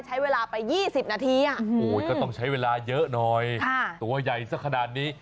ใช้เวลาไป๒๐นาทีก็ต้องใช้เวลาเยอะหน่อยตัวใหญ่สักขนาดนี้